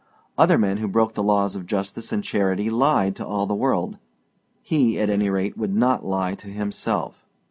Other men who broke the laws of justice and charity lied to all the world. He at any rate would not lie to himself.